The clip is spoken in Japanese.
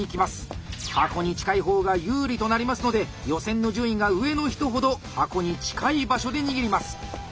箱に近い方が有利となりますので予選の順位が上の人ほど箱に近い場所で握ります。